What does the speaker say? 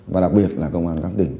và đặc biệt là công an các tỉnh